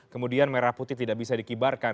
kemudian merah putih tidak bisa dikibarkan